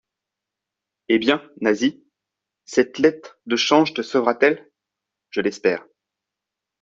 Eh ! bien, Nasie, cette lettre de change te sauvera-t-elle ? Je l'espère.